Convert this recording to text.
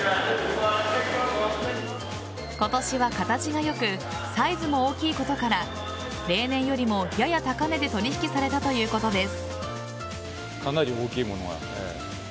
今年は形が良くサイズも大きいことから例年よりもやや高値で取引されたということです。